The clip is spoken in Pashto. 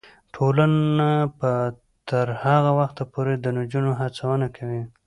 ټولنه به تر هغه وخته پورې د نجونو هڅونه کوي.